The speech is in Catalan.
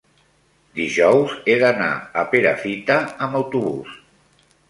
dijous he d'anar a Perafita amb autobús.